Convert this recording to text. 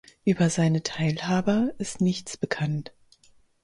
Über seine Teilhaber ist Nichts bekannt.